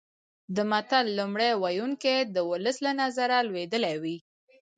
د متل لومړی ویونکی د ولس له نظره لوېدلی وي